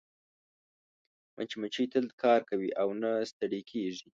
مچمچۍ تل کار کوي او نه ستړې کېږي